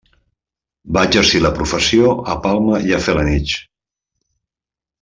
Va exercir la professió a Palma i a Felanitx.